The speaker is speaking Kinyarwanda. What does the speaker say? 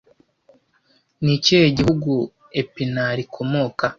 Ni ikihe gihugu epinari ikomoka